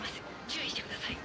「注意してください」